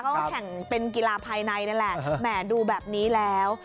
เขาแข่งเป็นกีฬาภายในนี่แหละแหมดูแบบนี้แล้ว